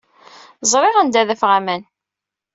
Ẓriɣ anda ad d-afeɣ aman.